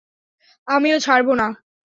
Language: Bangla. আমিও ছাড়ব না।